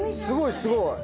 すごいすごい。